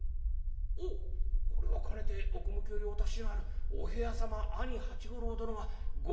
おっこれはかねて奥向きよりお達しのあるお部屋様兄八五郎殿はご貴殿でござったか。